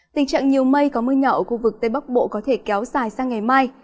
tình trạng nhiều mây có mưa nhỏ ở khu vực tây bắc bộ có thể kéo dài sang ngày mai